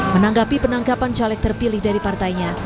menanggapi penangkapan caleg terpilih dari partainya